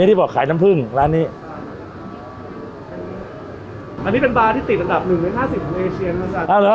ที่บอกขายน้ำผึ้งร้านนี้อันนี้เป็นบาร์ที่ติดอันดับหนึ่งในห้าสิบของเอเชียเหมือนกัน